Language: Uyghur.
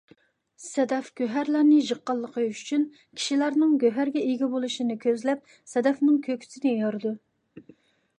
سەدەف گۆھەرلەرنى يىغقانلىقى ئۈچۈن، كىشىلەرنىڭ گۆھەرگە ئىگە بولۇشىنى كۆزلەپ سەدەفنىڭ كۆكسىىنى يارىدۇ.